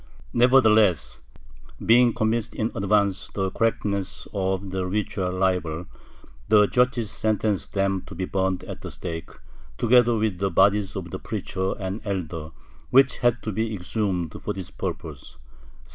Nevertheless, being convinced in advance of the correctness of the ritual libel, the judges sentenced them to be burned at the stake, together with the bodies of the preacher and elder, which had to be exhumed for this purpose (1737).